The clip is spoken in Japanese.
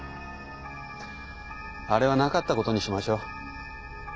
あれはなかったことにしましょう。